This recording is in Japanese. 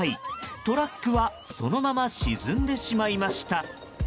トラックはそのまま沈んでしまいました。